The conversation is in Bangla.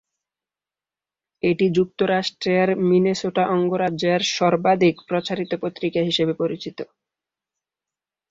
এটি যুক্তরাষ্ট্রের মিনেসোটা অঙ্গরাজ্যের সর্বাধিক প্রচারিত পত্রিকা হিসেবে পরিচিত।